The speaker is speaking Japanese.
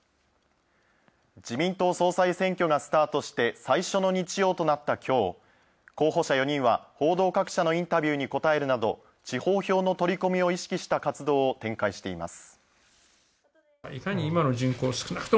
自民党総裁選挙がスタートして最初の日曜となった今日候補者４人は、報道各社のインタビューに答えるなど、地方票の取り込みを意識した活動を展開しています。